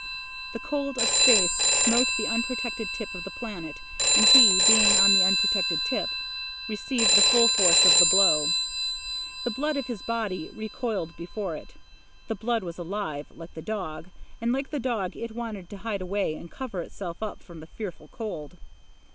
The cold of space smote the unprotected tip of the planet, and he, being on that unprotected tip, received the full force of the blow. The blood of his body recoiled before it. The blood was alive, like the dog, and like the dog it wanted to hide away and cover itself up from the fearful cold.